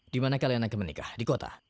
di mana kalian akan menikah di kota